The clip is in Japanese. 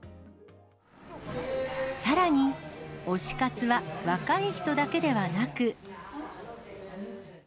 さらに、推し活は若い人だけではなく。